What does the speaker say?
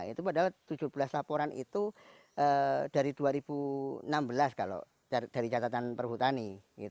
itu padahal tujuh belas laporan itu dari dua ribu enam belas kalau dari catatan perhutani